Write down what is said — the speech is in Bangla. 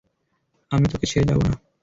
আমি তোকে ছেড়ে যাবো না।